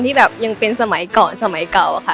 แบบยังเป็นสมัยก่อนสมัยเก่าอะค่ะ